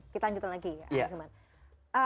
kita lanjutkan lagi ya ahilman